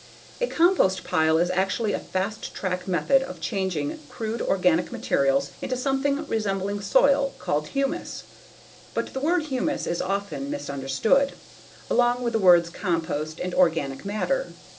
A compost pile is actually a fast track method of changing crude organic materials into something resembling soil, called humus. But the word "humus" is often misunderstood, along with the words "compost," and "organic matter."